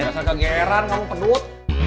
ngerasa kegeran ngomong pedut